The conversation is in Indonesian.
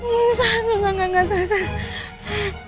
gak gak gak